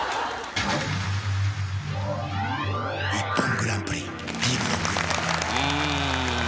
［『ＩＰＰＯＮグランプリ』Ｂブロック］